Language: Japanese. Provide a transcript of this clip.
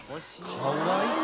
かわいい。